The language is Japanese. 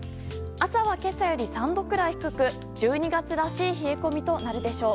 朝は今朝より３度くらい低く１２月らしい冷え込みとなるでしょう。